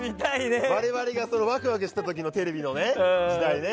我々がワクワクした時のテレビの時代ね。